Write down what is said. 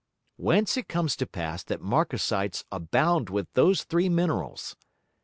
Whence it comes to pass that Markasites abound with those three Minerals.